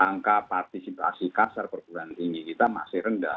angka partisipasi kasar perguruan tinggi kita masih rendah